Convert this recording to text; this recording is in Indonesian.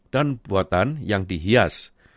dan buatan yang dihias